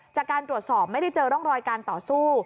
จากการตรวจสอบไม่ได้เจอร่องรอยการต่อสู้